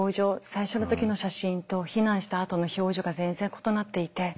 最初の時の写真と避難したあとの表情が全然異なっていて。